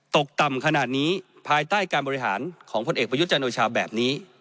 ตกต่ำขนาดนี้ภายใต้การบริหารของพลเอกประยุทธ์จันโอชาแบบนี้